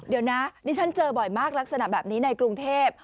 เดี๋ยวนะดิฉันเจอบ่อยมากลักษณะแบบนี้ในกรุงเทพ